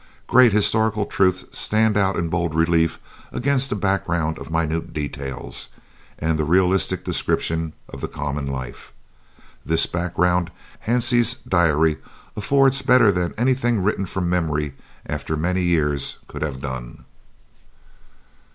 Great historical truths stand out in bold relief against a background of minute details and the realistic description of the common life. This background Hansie's diary affords better than anything written from memory after many years could have done.